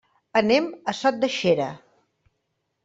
Anem a Sot de Xera.